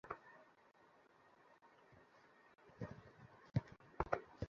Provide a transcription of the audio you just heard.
নির্বাচন কমিশনের ওয়েবসাইটে প্রকাশ করা তাঁর হলফনামায় স্থাবর সম্পদসহ কয়েকটি খাতের লেখা অস্পষ্ট।